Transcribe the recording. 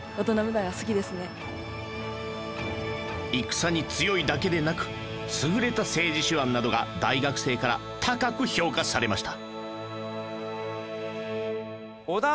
戦に強いだけでなく優れた政治手腕などが大学生から高く評価されました